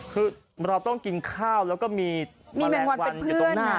คือเราต้องกินข้าวแล้วก็มีแมลงวันอยู่ตรงหน้า